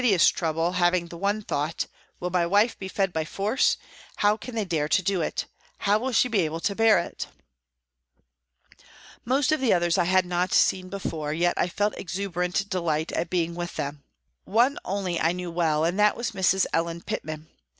216 PRISONS AND PRISONERS trouble, having the one thought " Will my wife be fed by force how can they dare to do it ? How will she be able to bear it ?" Most of the others I had not seen before, yet I felt exuberant delight at being with them. One only I knew well, and that was Miss Ellen Pitman.